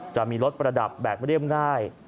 จะมีรถประดับแบกเรี่ยมได้